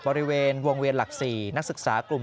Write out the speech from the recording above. บริเวณวงเวียนหลัก๔นักศึกษากลุ่ม